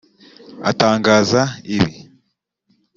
Atangaza ibi